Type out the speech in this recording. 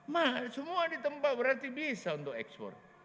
mahal semua ditembak berarti bisa untuk ekspor